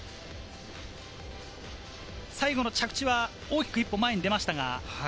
最後の着地は大きく一歩前に出ましたが。